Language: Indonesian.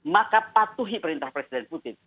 maka patuhi perintah presiden putin